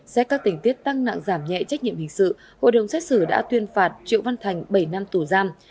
xét các tình tiết tăng nặng giảm nhẹ trách nhiệm hình sự hội đồng xét xử đã tuyên phạt triệu văn thành bảy năm tù giam